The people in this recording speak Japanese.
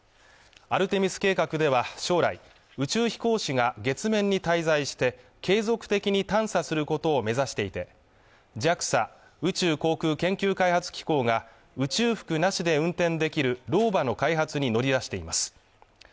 アルテミス計画では将来宇宙飛行士が月面に滞在して継続的に探査することを目指していてＪＡＸＡ＝宇宙航空研究開発機構が宇宙服なしで運転できるローバの開発に乗り出しています